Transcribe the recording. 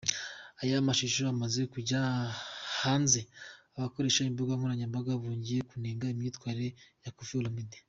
Aya mashusho amaze kujya hanze, abakoresha imbuga nkoranyambaga bongeye kunenga imyitwarire ya Koffi Olomide.